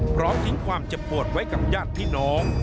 พร้อมทิ้งความเจ็บปวดไว้กับญาติพี่น้อง